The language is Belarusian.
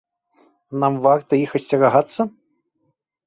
Нам варта іх асцерагацца?